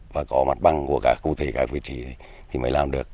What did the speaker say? và có mặt bằng của cả cụ thể các vị trí thì mới làm được